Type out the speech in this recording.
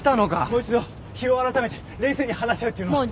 もう一度日を改めて冷静に話し合うっていうのは。